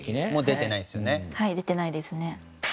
出てないですね。